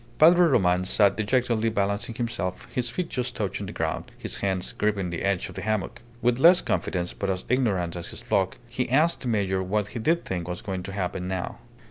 Padre Roman sat dejectedly balancing himself, his feet just touching the ground, his hands gripping the edge of the hammock. With less confidence, but as ignorant as his flock, he asked the major what did he think was going to happen now.